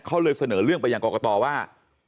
เขาเลยเสนอเรื่องไปยังกรกตว่า